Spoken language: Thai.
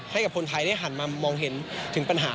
ให้กับคนไทยได้หันมามองเห็นถึงปัญหา